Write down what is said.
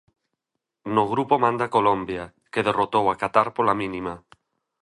No grupo manda Colombia, que derrotou a Qatar pola mínima.